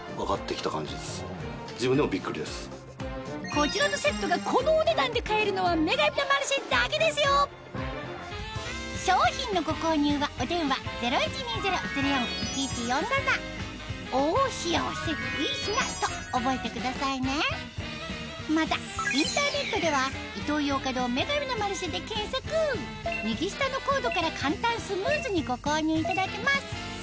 こちらのセットがこのお値段で買えるのは『女神のマルシェ』だけですよ商品のご購入はお電話０１２０−０４−１１４７と覚えてくださいねまたインターネットでは右下のコードから簡単スムーズにご購入いただけます